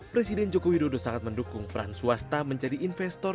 presiden joko widodo sangat mendukung peran swasta menjadi investor